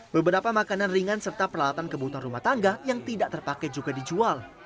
beberapa makanan ringan serta peralatan kebutuhan rumah tangga yang tidak terpakai juga dijual